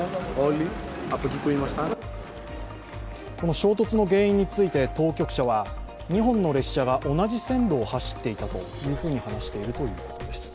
衝突の原因について当局者は、２本の列車が同じ線路を走っていたというふうに話しているということです。